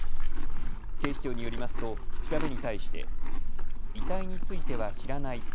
警視庁によりますと調べに対して遺体については知らない。